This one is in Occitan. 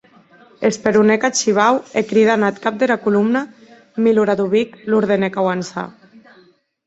Esperonèc ath shivau e cridant ath cap dera colomna, Miloradovic, l’ordenèc auançar.